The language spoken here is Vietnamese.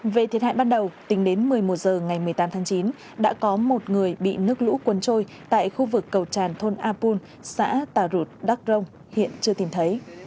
về thiệt hại ban đầu tính đến một mươi một h ngày một mươi tám tháng chín đã có một người bị nước lũ cuốn trôi tại khu vực cầu tràn thôn a pun xã tà rụt đắk rông hiện chưa tìm thấy